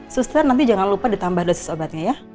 suster nanti jangan lupa ditambah dosis obatnya ya